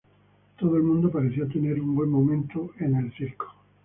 Todo el mundo parecía tener un buen momento en el circo".